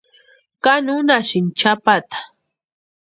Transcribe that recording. ¿Káni únhasïnki chʼapata?